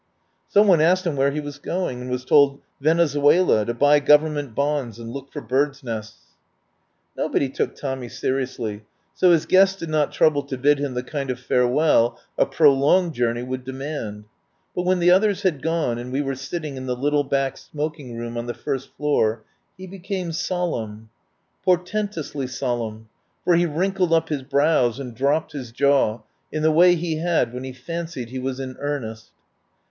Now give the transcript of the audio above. Some one asked him where he was going, and was told "Venezuela, to buy Government bonds and look for birds' nests." 16 THE WILD GOOSE CHASE Nobody took Tommy seriously, so his guests did not trouble to bid him the kind of fare well a prolonged journey would demand. But when the others had gone, and we were sitting in the little back smoking room on the first floor, he became solemn. Portentously sol emn, for he wrinkled up his brows and dropped his jaw in the way he had when he fancied he was in earnest.